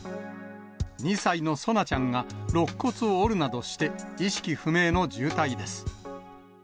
２歳の蒼菜ちゃんがろっ骨を折るなどして、意識不明の重体です。